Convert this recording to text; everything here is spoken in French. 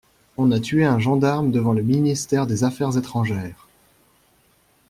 On a tué un gendarme devant le ministère des Affaires étrangères.